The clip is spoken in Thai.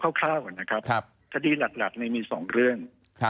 เอาคร่าวก่อนนะครับคดีหลักในมีสองเรื่อง